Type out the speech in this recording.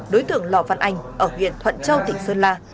đối tượng lò văn anh ở huyện thuận châu tỉnh sơn la